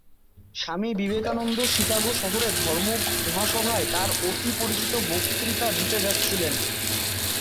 স্বামী বিবেকানন্দ শিকাগো শহরে ধর্ম মহাসভায় তার অতি-পরিচিত বক্তৃতা দিতে যাচ্ছিলেন।